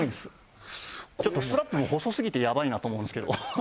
ちょっとストラップも細すぎてやばいなと思うんですけど。